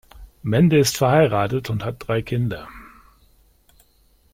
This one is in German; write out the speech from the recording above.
Mende ist verheiratet und hat drei Kinder.